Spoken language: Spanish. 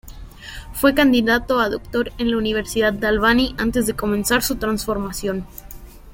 Fue candidato a doctor en la Universidad de Albany antes de comenzar su transformación.